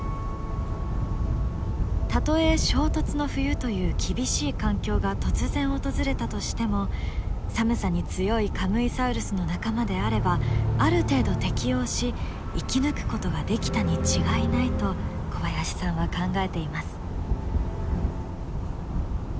たとえ衝突の冬という厳しい環境が突然訪れたとしても寒さに強いカムイサウルスの仲間であればある程度適応し生き抜くことができたに違いないと小林さんは考えています。